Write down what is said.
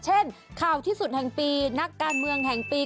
ข่าวที่สุดแห่งปีนักการเมืองแห่งปี